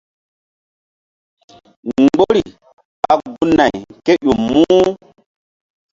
Mgbori ɓa gun- nay kéƴo muh.